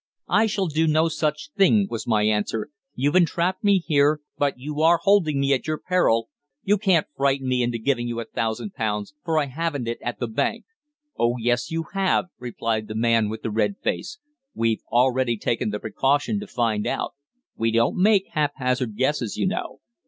"I shall do no such thing," was my answer. "You've entrapped me here, but you are holding me at your peril. You can't frighten me into giving you a thousand pounds, for I haven't it at the bank." "Oh yes, you have," replied the man with the red face. "We've already taken the precaution to find out. We don't make haphazard guesses, you know.